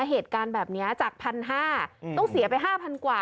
เหตุการณ์แบบนี้จาก๑๕๐๐บาทต้องเสียไป๕๐๐กว่า